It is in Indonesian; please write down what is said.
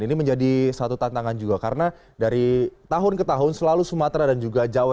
ini menjadi satu tantangan juga karena dari tahun ke tahun selalu sumatera dan juga jawa